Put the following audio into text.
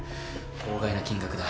法外な金額だ。